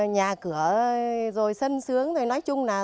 nhà cửa rồi sân sướng nói chung là